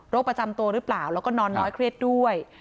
ประจำตัวหรือเปล่าแล้วก็นอนน้อยเครียดด้วย